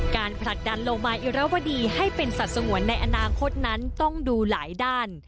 ผลักดันโลมาอิรวดีให้เป็นสัตว์สงวนในอนาคตนั้นต้องดูหลายด้าน